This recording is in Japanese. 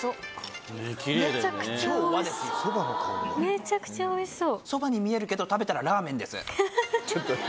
めちゃくちゃおいしそう。